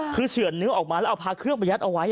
คือเฉื่อนเนื้อออกมาแล้วเอาพาเครื่องมายัดเอาไว้